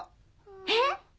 えっ？